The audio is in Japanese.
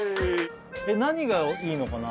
えっ何がいいのかな？